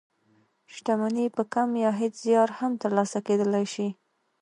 شتمني په کم يا هېڅ زيار هم تر لاسه کېدلای شي.